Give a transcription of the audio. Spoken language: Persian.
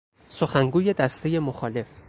سخنگوی دستهی مخالف